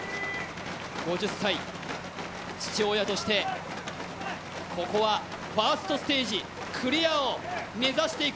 ５０歳、父親としてここはファーストステージクリアを目指していく。